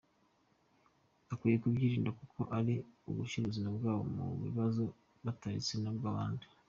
Bakwiye kubyirinda kuko ni ugushyira ubuzima bwabo mu bibazo bataretse n’ubw’abandi.